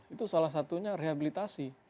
itu salah satunya rehabilitasi